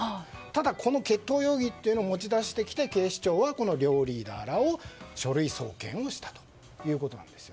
ただ、この決闘容疑というのを持ち出してきて警視庁はこの両リーダーを書類送検したということなんです。